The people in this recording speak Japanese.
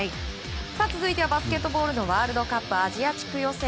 続いてはバスケットボールのワールドカップアジア地区予選。